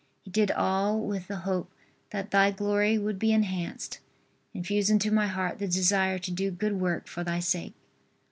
He did all with the hope that Thy glory would be enhanced. Infuse into my heart the desire to do good work for Thy sake.